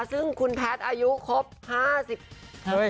ซึ่งคุณแพทย์อายุครบ๕๐ปี